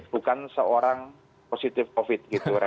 bukan seorang positif covid